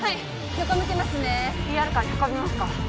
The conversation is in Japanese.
横向けますねＥＲカーに運びますか！？